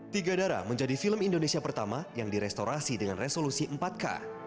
tiga darah menjadi film indonesia pertama yang direstorasi dengan resolusi empat k